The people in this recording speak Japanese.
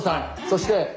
そして？